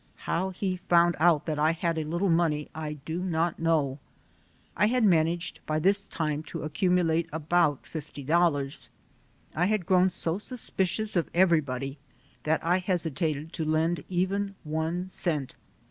How he found out that I had a little money I do not know. I had managed by this time to accumulate about $50. I had grown so suspicious of everybody that I hesitated to lend even one cent.